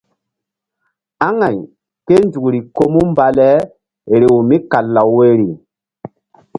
Amay ké nzukri ko mu mba le rew mí kal law woyri.